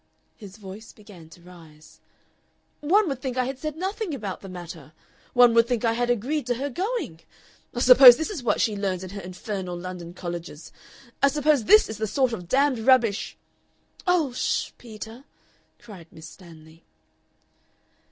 His voice began to rise. "One would think I had said nothing about the matter. One would think I had agreed to her going. I suppose this is what she learns in her infernal London colleges. I suppose this is the sort of damned rubbish " "Oh! Ssh, Peter!" cried Miss Stanley.